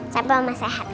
sampai om sehat